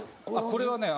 これはね